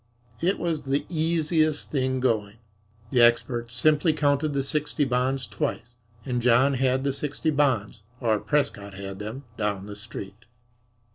It was the easiest thing going. The experts simply counted the sixty bonds twice and John had the sixty bonds (or Prescott had them) down the street.